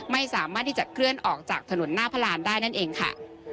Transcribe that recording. ไม่สามารถที่จะเคลื่อนออกจากถนนหน้าพระรานได้นั่นเองค่ะ